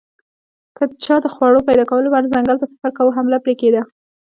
که چا د خوړو پیدا کولو لپاره ځنګل ته سفر کاوه حمله پرې کېده